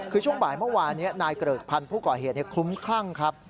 คือช่วงบ่ายเมื่อวานนี้นายเกริกพันธ์ผู้ก่อเหตุคลุ้มคลั่งครับ